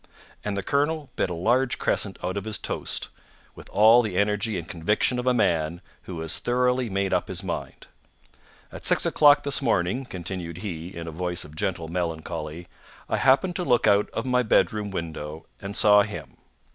And the colonel bit a large crescent out of his toast, with all the energy and conviction of a man who has thoroughly made up his mind. "At six o'clock this morning," continued he, in a voice of gentle melancholy, "I happened to look out of my bedroom window, and saw him.